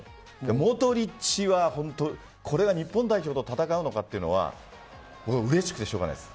モドリッチが日本代表と戦うのかというのはうれしくてしょうがないです。